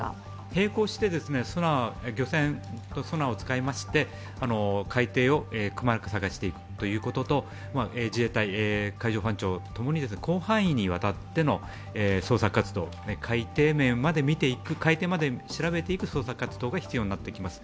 並行して、漁船とソナーを使いまして、海底をくまなく捜していくということと、自衛隊、海上保安庁共に広範囲にわたっての捜索活動、海底まで調べていく捜索活動が必要になってきます。